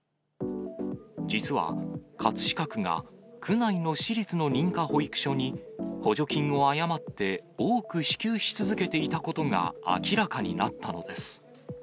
実は、葛飾区が区内の私立の認可保育所に、補助金を誤って多く支給し続けていたことが明らかになったのです。